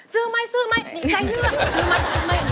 ซื้อไหมซื้อไหม